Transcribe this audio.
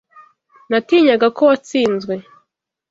Natinyaga ko watsinzwe.